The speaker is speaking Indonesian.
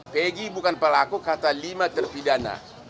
pegi bukan pelaku kata lima terpidana